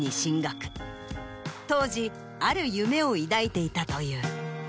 当時ある夢を抱いていたという。